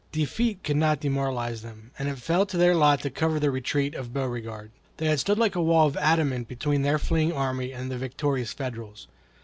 Defeat could not demoralize them, and it fell to their lot to cover the retreat of Beauregard. They had stood like a wall of adamant between their fleeing army and the victorious Federals.